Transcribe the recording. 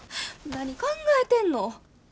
何考えてんの。